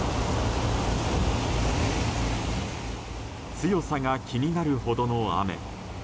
強さが気になるほどの雨。